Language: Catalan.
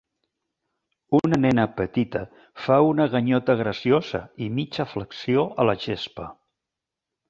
Una nena petita fa una ganyota graciosa i mitja flexió a la gespa.